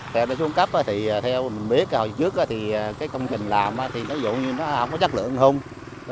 theo tôi xuống cấp thì theo mình biết hồi trước thì cái công trình làm thì ví dụ như nó không có chất lượng không